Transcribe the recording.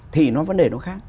thì nó vấn đề nó khác